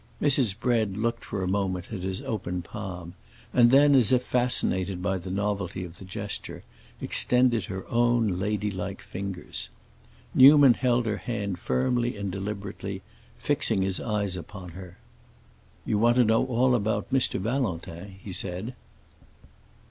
Mrs. Bread looked for a moment at his open palm, and then, as if fascinated by the novelty of the gesture, extended her own ladylike fingers. Newman held her hand firmly and deliberately, fixing his eyes upon her. "You want to know all about Mr. Valentin?" he said.